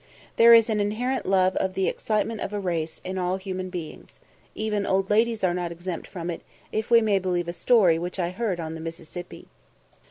There is an inherent love of the excitement of a race in all human beings even old ladies are not exempt from it, if we may believe a story which I heard on the Mississippi.